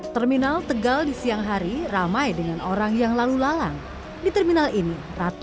terima kasih jika kalian diledakkan apa